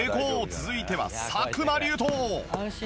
続いては作間龍斗。